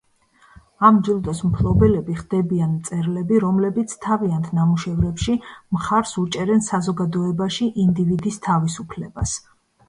ამ ჯილდოს მფლობელები ხდებიან მწერლები, რომლებიც თავიანთ ნამუშევრებში მხარს უჭერენ საზოგადოებაში ინდივიდის თავისუფლებას.